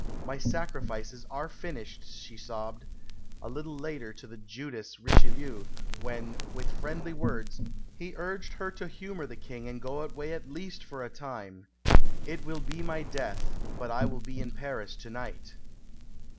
"My sacrifices are finished," she sobbed, a little later to the "Judas," Richelieu, when, with friendly words, he urged her to humour the King and go away at least for a time; "it will be my death, but I will be in Paris to night."